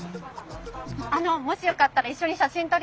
あのもしよかったら一緒に写真撮りませんか？